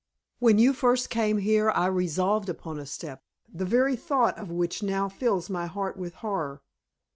When you first came here I resolved upon a step, the very thought of which now fills my heart with horror.